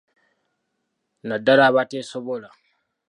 Naddala abateesobola.